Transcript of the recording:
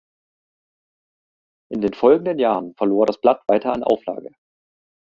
In den folgenden Jahren verlor das Blatt weiter an Auflage.